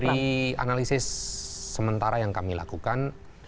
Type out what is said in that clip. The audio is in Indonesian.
dari analisis sementara yang kami lakukan